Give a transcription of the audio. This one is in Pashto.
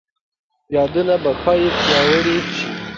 یادونه به ښايي پیاوړي شي.